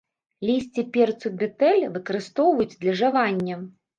Лісце перцу бетэль выкарыстоўваюць для жавання.